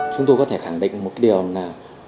chúng tôi có thể khẳng định một điều là